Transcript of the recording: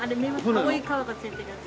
青い皮が付いてるやつ。